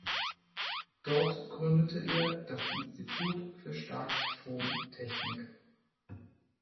Dort gründete er das Institut für Starkstromtechnik.